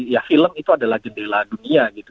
ya film itu adalah jendela dunia gitu